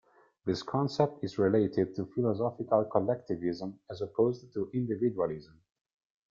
This concept is related to philosophical collectivism as opposed to individualism.